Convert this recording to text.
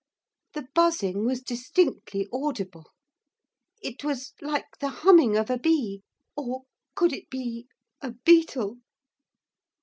The buzzing was distinctly audible. It was like the humming of a bee. Or could it be a beetle?